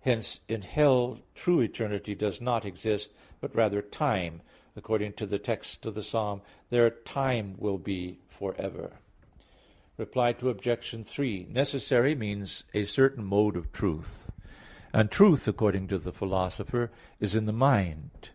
Hence in hell true eternity does not exist, but rather time; according to the text of the Psalm "Their time will be for ever" (Ps. 80:16). Reply Obj. 3: Necessary means a certain mode of truth; and truth, according to the Philosopher (Metaph. vi), is in the mind.